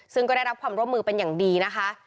ซึ่งก็ได้รับความร่วมมือเป็นอย่างดีนะคะ